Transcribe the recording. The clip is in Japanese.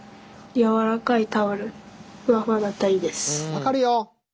分かるよ！